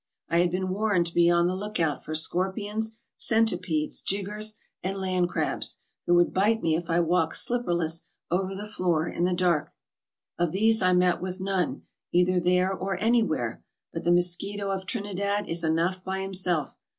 I had been warned to be on the lookout for scorpions, centipedes, jiggers, and land crabs, who would bite me if I walked slipperless over the floor in the dark. Of these I met with none, either there or anywhere, but the mosquito of Trinidad is enough by himself.